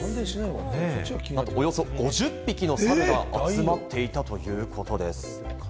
およそ５０匹のサルが集まっていたということです。